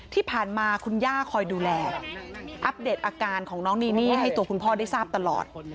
ที่ผ่านมาคุณย่าคอยดูแลอัปเดตอาการของน้องนีนี่ให้ตัวคุณพ่อได้ทราบตลอด